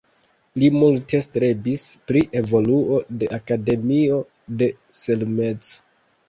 Li multe strebis pri evoluo de Akademio de Selmec.